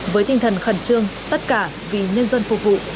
với tinh thần khẩn trương tất cả vì nhân dân phục vụ